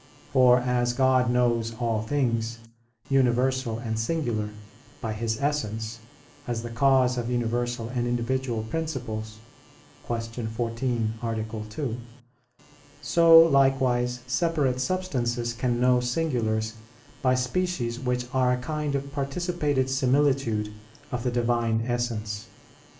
For as God knows all things, universal and singular, by His Essence, as the cause of universal and individual principles (Q. 14, A. 2), so likewise separate substances can know singulars by species which are a kind of participated similitude of the Divine Essence.